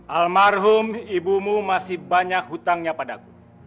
almarhum ibumu masih banyak hutangnya padaku